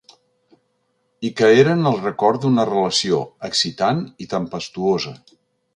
I que eren el record d’una relació, excitant i tempestuosa.